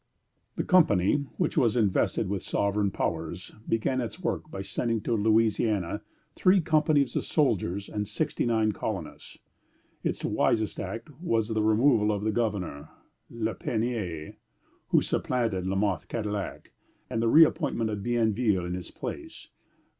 " The Company, which was invested with sovereign powers, began its work by sending to Louisiana three companies of soldiers and sixty nine colonists. Its wisest act was the removal of the governor, L'Épinay, who had supplanted La Mothe Cadillac, and the reappointment of Bienville in his place.